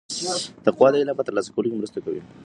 تقوا د علم په ترلاسه کولو کې مرسته کوي.